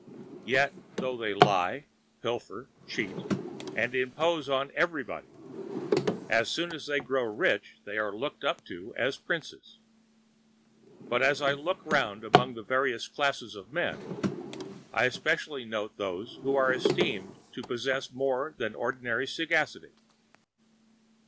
Yet, though they lie, pilfer, cheat, and impose on everybody, as soon as they grow rich they are looked up to as princes. But as I look round among the various classes of men, I specially note those who are esteemed to possess more than ordinary sagacity.